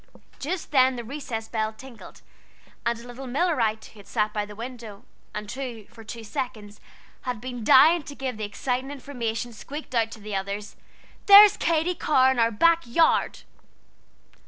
Just then the recess bell tinkled; and a little Millerite who sat by the window, and who, for two seconds, had been dying to give the exciting information, squeaked out to the others: "There's Katy Carr in our back yard!"